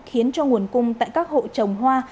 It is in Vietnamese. khiến cho nguồn cung tại các hộ trồng hoa